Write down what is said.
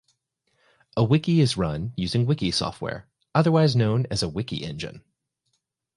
A wiki is run using wiki software, otherwise known as a wiki engine